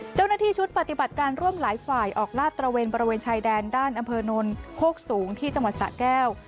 เจ้าหน้าที่ชุดปฏิบัติการร่วมหลายฝ่ายออกลาดตระเวนบริเวณชายแดนด้านอำเภอนนโคกสูงที่จังหวัดสะแก้ว